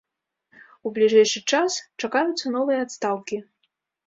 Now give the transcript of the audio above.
У бліжэйшы час чакаюцца новыя адстаўкі.